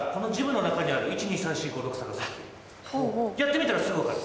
やってみたらすぐ分かる。